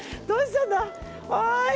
どうしたんだ。